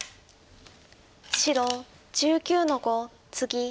白１９の五ツギ。